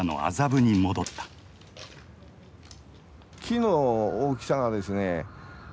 木の大きさがですね